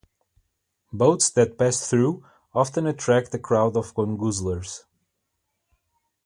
Boats that pass through often attract a crowd of gongoozlers.